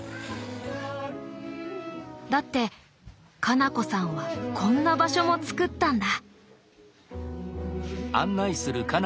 だって花菜子さんはこんな場所も作ったんだ。